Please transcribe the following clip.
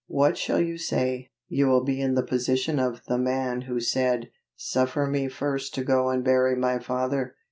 What shall you say? You will be in the position of the man who said, 'Suffer me first to go and bury my father.'"